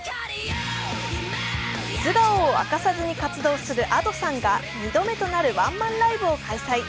素顔を明かさずに活動するＡｄｏさんが２度目となるワンマンライブを開催。